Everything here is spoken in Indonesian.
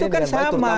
itu kan sama